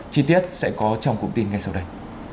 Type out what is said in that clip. chi tiết sẽ có trong cụm tin ngay sau đây